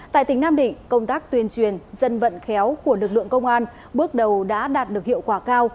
tại tỉnh nam định công tác tuyên truyền dân vận khéo của lực lượng công an bước đầu đã đạt được hiệu quả cao